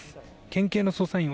県警の捜査員